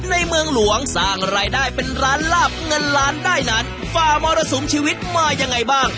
ในเมืองหลวงสร้างรายได้เป็นร้านลาบเงินล้านได้นั้นฝ่ามรสุมชีวิตมายังไงบ้าง